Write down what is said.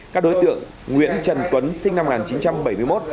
các đối tượng nguyễn trần tuấn sinh năm một nghìn chín trăm bảy mươi một